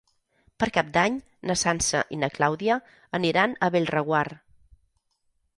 Per Cap d'Any na Sança i na Clàudia aniran a Bellreguard.